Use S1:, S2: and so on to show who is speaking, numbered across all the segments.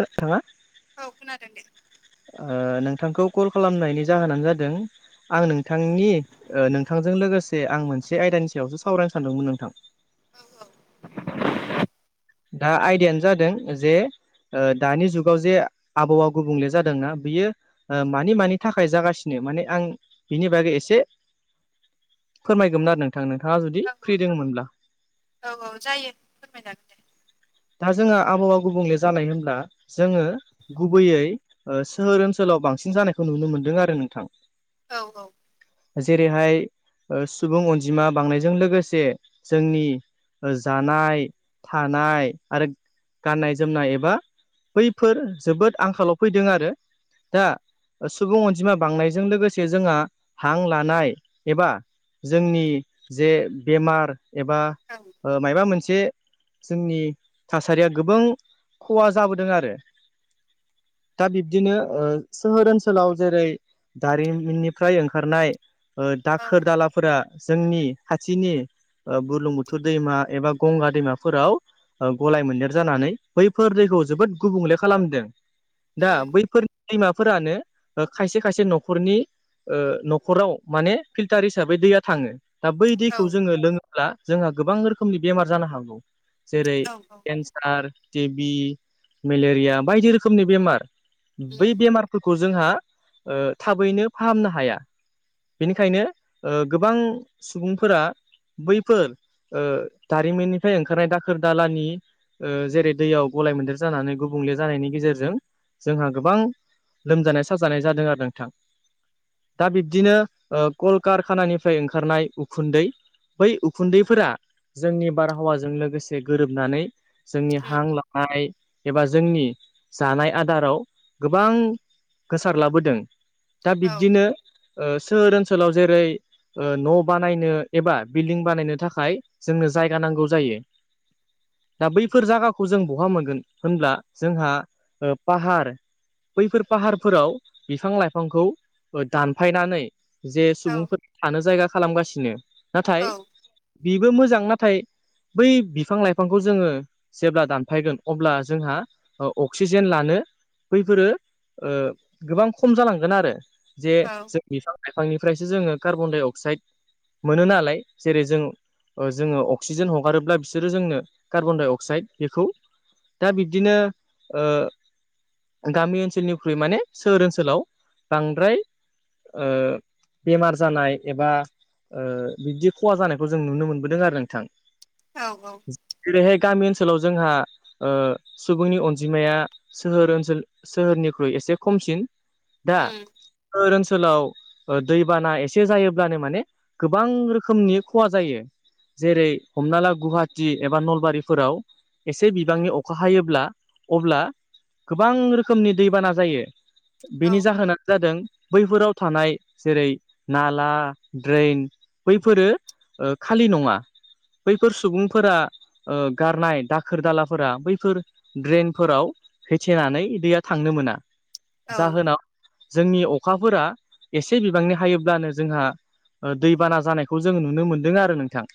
S1: हो थाङा
S2: औ खोनादों दे
S1: नोंथांखौ कल खालामनायनि जाहोनानो जादों आं नोंथांनि नोंथांजों लोगोसे आं मोनसे आयदानि सायावसो सावरायनो सानदोंमोन नोंथां
S2: औ औ
S1: दा आयदायानो जादों जे दानि जुगाव जे आबहावा गुबुंले जादोंना बियो मानि मानि थाखाय जागासिनो माने आं बिनि बागै एसे फोरमायगौमोन आरो नोंथां नोंथाङा जुदि
S2: औ
S1: फ्रि दङमोनब्ला
S2: औ औ जायो फोरमाय जागोन
S1: दा जोंहा आबहावा गुबुंले जानाय होनब्ला जोङो गुबैयै सोहोर ओनसोलाव बांसिन जानायखौ नुनो मोनदों आरो नोंथां
S2: औ औ
S1: जेरैहाय सुबुं अनजिमा बांनायजों लोगोसे जोंनि ओ जानाय थानाय आरो गाननाय जोमनाय एबा बैफोर जोबोद आंखालाव फैदों आरो दा सुबुं अनजिमा बांनायजों लोगोसे जोंहा हां लानाय एबा जोंनि जे बेमार एबा
S2: औ
S1: ओ मायबा मोनसे जोंनि थासारिया गोबां खहा जाबोदों आरो दा बिब्दिनो ओ सोहोर ओनसोलाव जेरै दारिमिननिफ्राय ओंखारनाय
S2: औ
S1: दाखोर दालाफोरा जोंनि खाथिनि बुरलुंबुथुर दैमा एबा गंगा दैमाफोराव गलाय मोनदेर जानानै बैफोर दैैखौ जोबोद गुबुंले खालामदों दा
S2: उम
S1: बैफोर दैमाफोरानो खायसे खायसे न'खरनि ओ न'खराव माने फिल्टार हिसाबै दैया थाङो दा बै
S2: औ
S1: दैखौ जोङो लोङोब्ला जोंहा गोबां रोखोमनि बेमार जानो हागौ जेरै
S2: औ औ
S1: केन्सार टि बि मेलेरिया बायदि रोखोमनि बेमार बै
S2: उम
S1: बेमारफोरखौ जोंहा ओ थाबैनो फाहामनो हाया बेनिखायनो ओ गोबां सुबुंफोरा बैफोर ओ दारिमिननिफ्राय ओंखारनाय दाखोर दालानि जेरै दैयाव गलाय मोन्देर जानानै गुबुंले जानायनि गेजेरजों जोंहा गोबां लोमजानाय साजानाय जादों आरो नोंथां दा बिब्दिनो ओ कलकारखानानिफ्राय ओंखारनाय उखुन्दै बै उखुन्दैफोरा जोंनि बारहावाजों लोगोसे गोरोबनानै जोंनि
S2: उम
S1: हां लानाय एबा जोंनि जानाय आदाराव गोबां गोसारलाबोदों दा
S2: औ
S1: बिब्दिनो सोहोर ओनसोलाव जेरै ओ न' बानायनो एबा बिल्डिं बानायनो थाखाय जोंनो जायगा नांगौ जायो दा बैफोर जागाखौ जों बहा मोनगोन होनब्ला जोंहा पाहार बैफोर फाहारफोराव बिफां लाइफांखौ दानफायनानै जे
S2: औ
S1: सुबुंफोरा थानो जायगा खालामगासिनो नाथाय
S2: औ
S1: बेबो मोजां नाथाय बै बिफां लाइफां खौ जोङो जेब्ला दानफायगोन अब्ला जोंहा अक्सिजेन लानो बैफोरो ओ गोबां खम जालांगोन आरो जे जों बिफां लाइफांनिफ्रायसो जोङो कार्बन डाइ अक्साइड मोनो नालाय जेरै जों जोङो अक्सिजेन हगारोब्ला बिसोरो जोंनो कार्बनडाइ अक्साइड बेखौ दा बिबदिनो ओ गामि ओनसोलनिख्रुइ माने सोहोर ओनसोलाव बांद्राय ओ बेमार जानाय एबा ओ बिदि खहा जानायखौ जों नुनो मोनबोदों आरो नोंथां
S2: औ औ
S1: जेरैहाय गामि ओनसोलाव जोंहा ओ सुबुंनि अनजिमाया सोहोर ओनसोल सोहोरनिख्रुइ एसे खमसिन दा
S2: उम
S1: फोर ओनसोलाव ओ दैबाना एसे जायोब्लानो माने गोबां रोखोमनि खहा जायो जेरै हमना ला गुवाहाटी एबा नलबारिफोराव एसे बिबांनि अखा हायोब्ला अब्ला गोबां रोखोमनि दैबाना जायो
S2: औ
S1: बेनि जाहोनानो जादों बैफोराव थानाय जेरै नाला ड्रेन बैफोरो खालि नङा बैफोर सुबुं फोर गारनाय दाखोर दालाफोरा बैफोर ड्रेनफोराव होथेनानै दैैया थांनो मोना
S2: औ
S1: जाहोनाव जोंनि अखाफोरा एसे बिबांनि हायोब्लानो जोंहा दैबाना जानायखौ जोंङो नुनो मोनदों आरो नोंथां।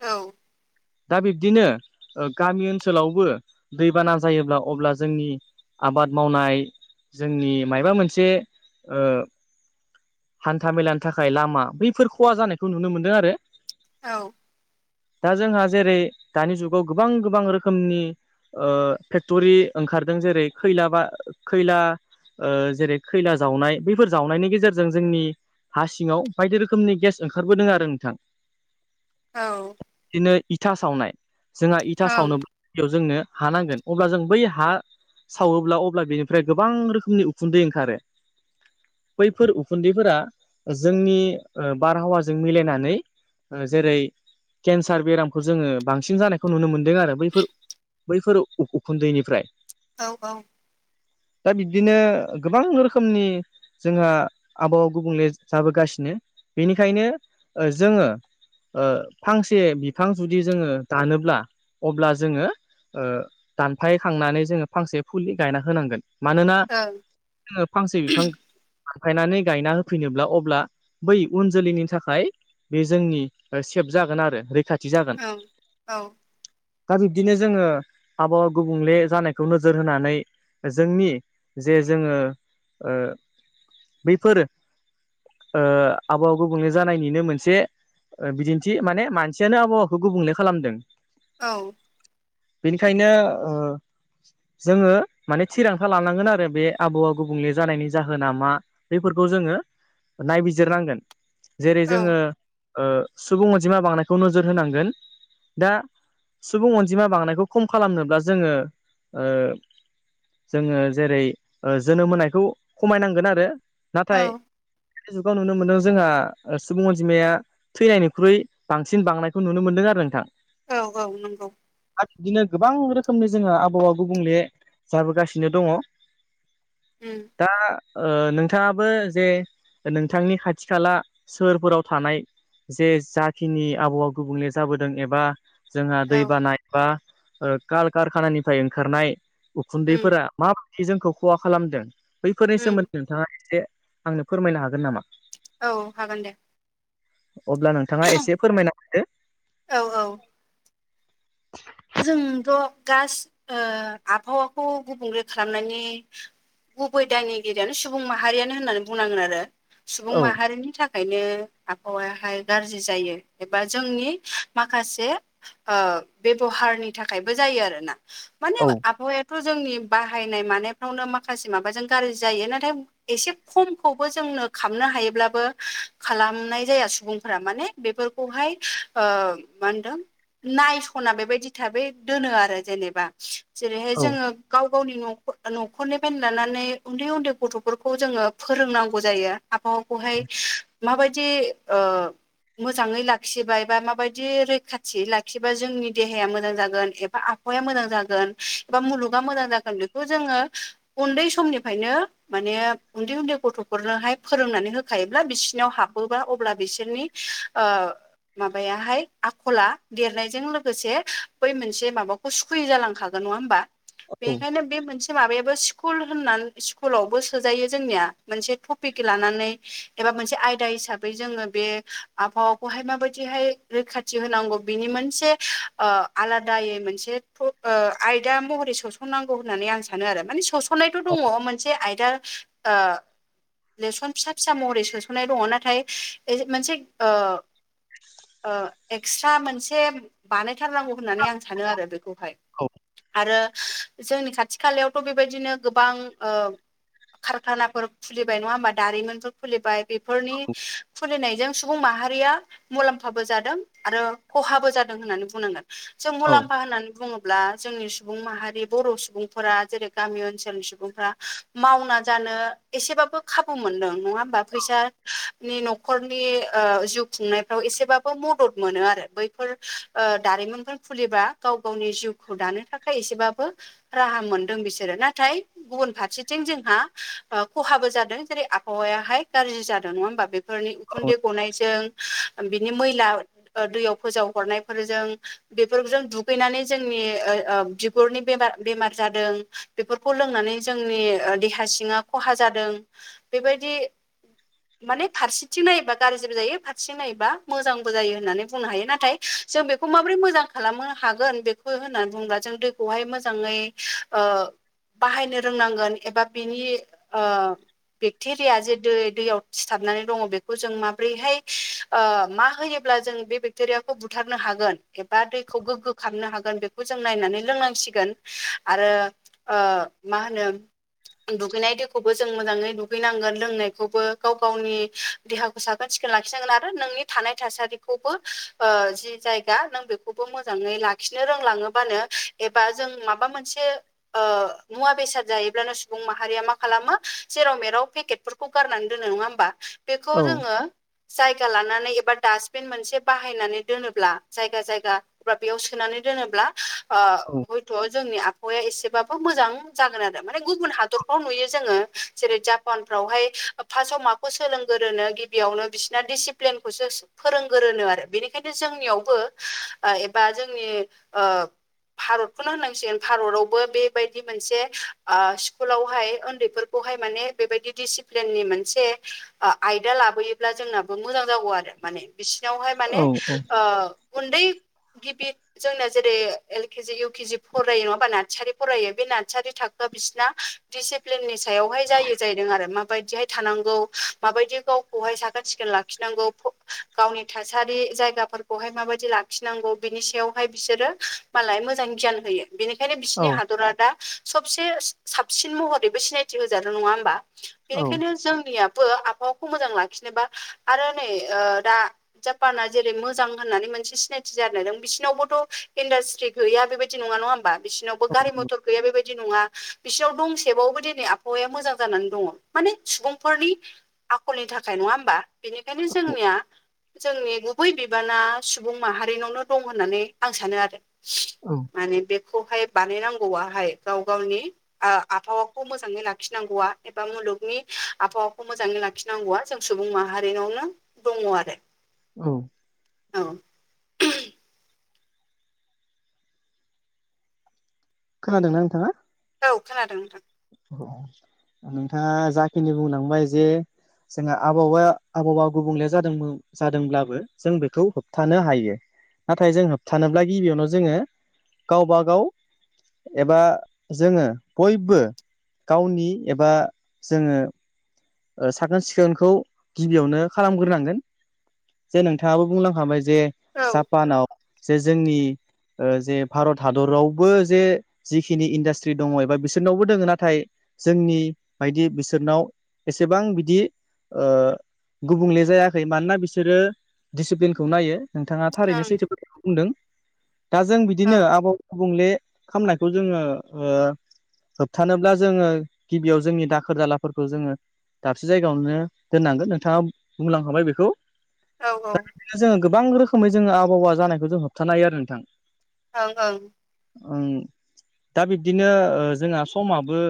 S2: औ
S1: दा बिब्दिनो गामि ओनसोलावबो दैबाना जायोब्ला अब्ला जोंनि आबाद मावनाय जोंनि माबा मोनसे ओ हान्था मेलानि थाखाय लामा बैफोर खहा जानायखौ नुनो मोनदों आरो।
S2: औ
S1: दा जोंहा जेरै दानि जुगाव गोबां गोबां रोखोमनि ओ फेक्टरि ओंखारदों जेरै खैला बा खैला ओ जेरै खैला जावनाय बैफोर जावनायनि गेजेरजों जोंनि हा सिङांव बायदि रोखोमनि गेस ओंखारबोदों आरो नोंथां।
S2: औ
S1: बिदिनो इथा सावनाय जोंहा
S2: औ
S1: इथा सावनो जोंनो हा नांगोन अब्ला जों बै हा सावोब्ला अब्ला बेनिफ्राय गोबां रोखोमनि उखुन्दै ओंखारो। बैफोर उखुन्दैफोरा जोंनि बारहावाजों मिलायनानै ओ जेरै केन्सार बेरामखौ जोंङो बांसिन जानायखौ नुनो मोन्दों आरो बैफोर बैफोर उखुन्दैनिफ्राय।
S2: औ औ
S1: दा बिब्दिनो गोबां रोखोमनि जोंहा आबहावा गुबुंले जाबोगासिनो बेनिखायनो ओ जोङो ओ फांसे बिफां जुदि जोङो दानोब्ला अब्ला जोङो ओ दानफाय खांनानै जोङो फांसे फुलि गायना होनांगोन। मानोना जोङो फांसे बिफां दानफायनानै गायना होफिनोब्ला अब्ला बै उन जोलैनि थाखाय बे जोंनि खेब जागोन आरो रैखाथि जागोन। दा बिब्दिनो जोङो आबहावा गुबुंले जानायखौ नोजोर होनानै जोंनि जे जोङो ओ बैफोर ओ आबहावा गुबुंले जानायनिनो मोनसे बिदि माने मानसियानो आबहावाखौ गुबुंले खालामदों।
S2: औ
S1: बेनिखायनो ओ जोङो माने थिरांथा लानांगोन आरो बे आबहावा गुबुंले जानायनि जाहोना मा? बेफोरखौ जोङो नायबिजिरनांगोन जेरै
S2: औ
S1: जोङो ओ सुबुं अनजिमा बांनायखौ नोजोर होनांगोन दा सुबुं अनजिमा बांनायखौ खम खालामनोब्ला जोङो ओ जोङो जेरै जोनोम होनायखौ खमायनांगोन आरो।
S2: औ
S1: नाथाय जुगाव नुनो मोनदों जोंहा सुबुं अनजिमाया थैनायनिख्रुइ बांसिन बांनायखौ नुनो मोनदों आरो नोंथां।
S2: औ औ नंगौ
S1: आरो बिदिनो गोबां रोखोमनि जोङो आबहावा गुबुंले जाबोगासिनो दङ'। [inaudible]
S2: उम
S1: दा ओ नोंथाङाबो जे नोंथांनि खाथि खाला सोहोरफोराव थानाय जे जाखिनि आबहावा गुबुंले जाबोदों एबा जोंहा
S2: औ
S1: दैबाना एबा ओ कलकारखानानिफ्राय ओंखारनाय
S2: उम
S1: उखुन्दैफोरा माबायदि जोंखौ खहा खालामदों? बैफोरनि
S2: उम
S1: सोमोन्दै नोंथाङा एसे आंनो फोरमायनो हागोन नामा?
S2: औ हागोन दे
S1: अब्ला नोंथाङा एसे फोरमायना होदो
S2: औ औ
S1: [inaudible]
S2: जोंथ गास ओ आबहावाखौ गुबुंले खालामनायनि गुबै दायनिगिरियानो सुबुं माहारियानो होननानै बुंनांगोन आरो सुबुं
S1: औ
S2: माहारिनि थाखा यनो आबहावाहाय गाज्रि जायो एबा जोंनि माखासे ओ बेबहारनि थाखायबो जायो आरोना माने
S1: औ
S2: आबहावाया थ जोंनि बाहायनाय मानायफ्रावनो माखासे माबाजों गाज्रि जायो नाथाय एसे खमखौबो जोंनो खालामनो हायोब्लाबो खालामनाय जाया सुबुंफोरा माने बेफोरखौहाय ओ मा होनदों नाइ सना बेबायदि थाबै दोनो आरो जेनेबा जेरैहाय
S1: औ
S2: जोङो गाव गावनि नख न'खरनिफ्रायनो लानानै उन्दै उन्दै गथ'फोरखौ जोङो फोरोंनांगौ जायो आबहावाखौहाय माबायदि ओ मोजाङै लाखियोबा माबायदि रैखाथियै लाखिबा जोंनि देहाया मोजां जागोन एबा आखला मोजां जागोन एबा मुलुगा मोजां जागोन बेखौ जोङो उन्दै समनिफ्रायनो माने उन्दै उन्दै गथ'फोरनोहाय फोरोंनानै होखायोब्ला बिसोरनाव हाबोबा अब्ला बिसोरनि ओ माबायाहाय आखला देरनायजों लो गोसे बै मोनसे माबाखौ सुखुयै जालांखागोन नङा होमबा
S1: औ
S2: बेनिखायनो बे मोनसे माबायाबो स्कुल होननानै स्कुलावबो सोजायो जोंनिया मोनसे टपिक लानानै एबा मोनसे आयदा हिसाबै जोङो बे आबहावाखौहाय माबायदिहाय रैखाथि होनांगौ बिनि मोनसे ओ आलादायै मोनसे थ आयदा महरै सोसनांगौ होननानै आं सानो आरो माने सोस नायथ दङ मोनसे आयदा ओ लेसन फिसा फिसा महरै सोसननाय दङ नाथाय एसे मोनसे ओ ओ एक्सट्रा मोनसे बानायथारनांगौ होननानै आं सानो आरो बेखौहाय
S1: औ
S2: आरो जोंनि खाथि खालायावथ बेबायदिनो गोबां ओ कारखानाफोर खुलिबाय नङा होमबा दारिमिनफोर खुलिबाय बेफोरनि खुलिनायजों सुबुं माहारिया मुलाम्फाबो जादों आरो खहाबो जादों होननानै बुंनांगोन जों
S1: औ
S2: मुलाम्फा होननानै बुङो ब्ला जोंनि सुबुं माहारि बर' सुबुंफोरा जेरै गामि ओनसोलनि सुबुंफोरा मावना जानो एसेबाबो खाबु मोनदों नङा होमबा फैसानि न'खरनि ओ जुग खुंनायफ्राव एसेबाबो मदद मोनो आरो बैफोर ओ दारिमनगोन फुलिबा गाव गावनि जिउखौ दानो थाखाय एसेबाबो राहा मोनदों बिसोरो नाथाय गुबुन फारसेथिं जोंहा खहाबो जादों जेरै आबहावायाहाय गाज्रि जादों नङा होमबा बे फोरनि
S1: औ औ
S2: उखुन्दै गनायजों बिनि मैला दैयाव फोजाव हरनायफोरजों बेफोरजों दुगैनानै जोंनि ऐ ओ बिगुरनि बेमार बेमार जादों बेफोरखौ लोंनानै जोंनि देहा सिङा खहा जादों बेबायदि माने फारसेथिं नायोबा गाज्रिबो जायो फारसेथिं नायोबा मोजांबो जायो होननानै बुंनो हायो नाथाय जों बेखौ माबोरै मोजां खालामनो हागोन बेखौ होननानै बुंङोबब्ला जों दैखौहाय मोजाङै बाहायनो रोंनांगोन एबा बिनि ओ बेक्टेरिया जे दै दैयाव सिथाबनानै दङ बेखौ जों माबोरैहाय ओ मा होयोब्ला जों बेक्टेरिया खौ बुथारनो हागोन एबा दैखौ गोग्गो खालामनो हागोन बेखौ जों नायनानै लोंनांसिगोन आरो आ मा होनो दुगैनाय दैखौबो जों मोजाङै दुगैनांगोन लोंनायखौबो गाव गावनि देहाखौ साखोन सिखोन लाखिनांगोन आरो नोंनि थानाय थासारिखौबो ओ जि जायगा नों बेखौबो मोजाङै लाखिनो रोंलाङोबानो एबा जों माबा मोनसे ओ मुवा बेसाद जायोब्लानो सुबुं माहारिया मा खालामो जेराव मेराव पेकेटफोरखौ गारनानै दोनो नङा होमबा बेखौ
S1: औ
S2: जोङो जायगा लानानै एबा दास्टबिन मोनसे बाहा नानै दोनोब्ला जायगा जायगा बा बेयाव सोनानै दोनोब्ला हयथ जोंनि आबहावाया एसेबाबो मोजां जागोन आरो माने गुबुन हादरफ्राव नुयो जोङो जेरै जापान फ्रावहाय फार्स्टा माखौ सोलोंगोरोनो गिबियावनो बिसिना दिसिप्लिनखौसो फोरोंगोरोनो आरो बेनिखायनो जोंनियावबो एबा जोंनि भारतखौनो होननांसिगोन भारतावबो बेबायदि मोनसे स्कुलावहाय उन्दैफोरखौ हाय माने बेबायदि डिसिप्लिननि मोनसे आयदा लाबोयोब्ला जोंनाबो मोजां जागौ आरो माने बिसिनावहाय माने
S1: औ
S2: उन्दै गिदिर जोंना जेरै एल के जि इउ के जि फरायो नङा होनबा नार्सारि फरायो बे नार्सारि थाखोआ बिसिना डिसिप्लिननि सायावहाय जायो जाहैदों आरो माबायदिहाय थानांगौ माबायदि गावखौहाय साखोन सिखोन लाखिनांगौ गावनि थासारि जायगाफोरखौहाय माबायदि लाखिनांगौ बिनि सायावहाय बिसोरो मालाय मोजां गियान होयो बेनिखायनो बिसोरनि
S1: औ
S2: हादरा दा सबसे साबसिन महरैबो सिनायथि होजादों नङा होमबा बेनिखायनो जोंनियाबो आबहावाखौ मोजां लाखिनोबा आरो नै दा जापाना जेरै मोजां होननानै मोनसे सिनायथि जादों बिसोरनावबोथ इन्डास्ट्रि गैया बेबायदि नङा नङा होमबा बिसिनाव बो गारि
S1: औ
S2: मथर गैया बेबायदि नङा बिसोराव दंसेबावबो दिनै आबहावाया मोजां जानानै दङ माने सुबुंफोरनि आखलनि थाखाय नङा होमबा बेनिखायनो जोंनिया जोंनि बै बिबाना सुबुं माहारिनावनो दं होननानै आं सानो आरो
S1: औ
S2: माने बे खौहाय बानायनांगौआहाय गाव गावनि आबहावाखौ मोजाङै लाखिनांगौआ एबा मुलुगनि आबहावाखौ मोजाङै ला लाखिनांगौआ जों सुबुं माहारिनावनो दङ आरो
S1: औ
S2: औ
S1: खोनादों ना नोंथाङा
S2: औ खोनादों नोंथां
S1: नोंथाङा जाखिनि बुंलांबाय जे जोंहा आबहावाया आबहावा गुबुंले जादोंमोन जादोंब्लाबो जों बेखौ होबथानो हायो नाथाय जों होबथानोब्ला गिबियावनो जोङो गावबागाव एबा जोङो बयबो गावनि एबा जोङो साखोन सिखोनखौ गिबियावनो खालामग्रोनांगोन जे नोंथाङाबो बुंलांखाबाय जे
S2: औ ओं
S1: जापानाव जे जोंनि ओ जे भारत हादरावबो जे जिखिनि इन्डास्ट्रि दङ एबा बिसोरनावबो दोङो नाथाय जोंनि बायदि बिसोरनाव एसेबां बिदि ओ गुबुंले जायाखै मानोना बिसोरो डिसिप्लिनखौ नायो नोंथाङा
S2: औ
S1: थारैनो सैथो खोथाखौ बुंदों दा जों
S2: औ
S1: बिदिनो आबहा गुबुंले खामनायखौ जोङो ओ होबथानोब्ला जोङो गिबियाव जोंनि दाखोर दालाफोरखौ जोङो दाबसे जायगायावनो दोननांगोन नोंथाङा बुंलांखाबाय बेखौ
S2: औ औ
S1: बिदिनो जोङो गोबां रोखोमै जोङो आबहावा जानायखौ जों होबथानो हायो आरो नोंथां
S2: ओं ओं
S1: दा बिब्दिनो ओ जोंहा समाबो